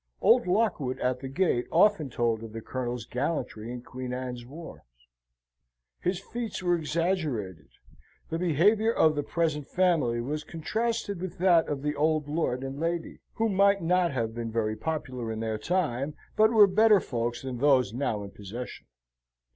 Old Lockwood at the gate often told of the Colonel's gallantry in Queen Anne's wars. His feats were exaggerated, the behaviour of the present family was contrasted with that of the old lord and lady: who might not have been very popular in their time, but were better folks than those now in possession.